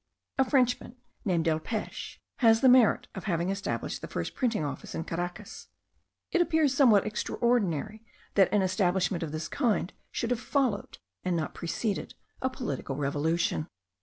A Frenchman, named Delpeche, has the merit of having established the first printing office in Caracas. It appears somewhat extraordinary that an establishment of this kind should have followed, and not preceded, a political revolution.